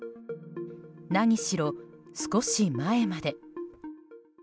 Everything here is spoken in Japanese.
何しろ、少し前まで。